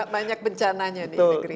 banyak bencananya di negeri